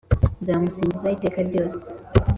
Nzamusingiza iteka ryose